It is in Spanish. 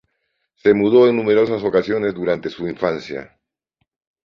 Se mudó en numerosas ocasiones durante su infancia.